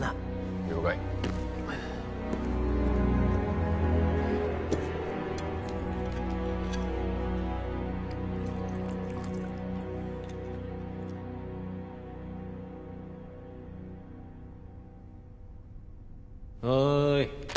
了解おい